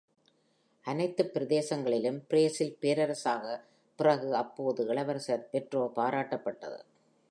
அனைத்து பிரதேசங்களிலும் பிரேசில் பேரரசராக, பிறகு அப்போது இளவரசர் பெட்ரோ பாராட்டப்பட்டது.